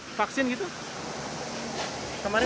oke vaksin gitu kemarin nggak bisa